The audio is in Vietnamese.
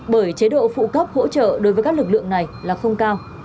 bởi chế độ phụ cấp hỗ trợ đối với các lực lượng này là không cao